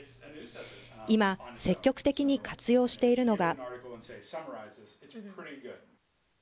今、積極的に活用しているのが。